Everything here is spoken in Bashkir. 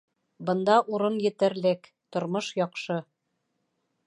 Бында урын етерлек, тормош яҡшы.